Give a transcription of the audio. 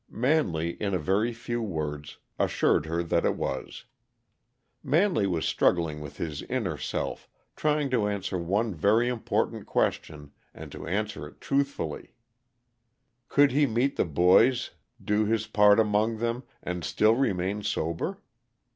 Manley, in very few words, assured her that it was. Manley was struggling with his inner self, trying to answer one very important question, and to answer it truthfully: Could he meet "the boys," do his part among them, and still remain sober?